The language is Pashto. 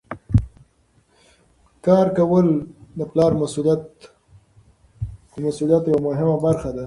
کار کول د پلار د مسؤلیت یوه مهمه برخه ده.